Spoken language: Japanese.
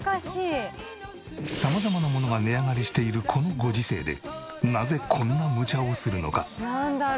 様々なものが値上がりしているこのご時世でなぜこんなむちゃをするのか？